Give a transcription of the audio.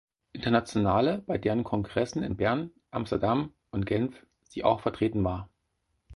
Internationale, bei deren Kongressen in Bern, Amsterdam und Genf sie auch vertreten war.